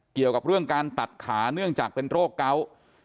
เกี่ยวกับเรื่องการตัดขาเนื่องจากเป็นโรคเกาะ